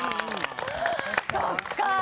そっか。